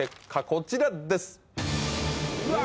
こちらですうわ